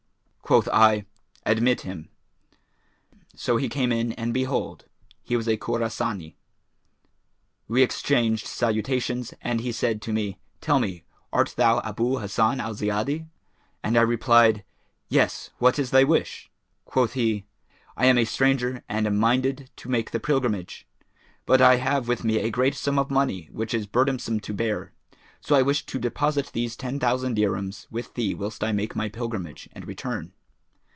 Quoth I, 'Admit him.' So he came in and behold, he was a Khorasбnн. We exchanged salutations and he said to me, 'Tell me, art thou Abu Hassan al Ziyadi?'; and I replied, 'Yes, what is thy wish?' Quoth he, 'I am a stranger and am minded to make the pilgrimage; but I have with me a great sum of money, which is burdensome to bear: so I wish to deposit these ten thousand dirhams with thee whilst I make my pilgrimage and return.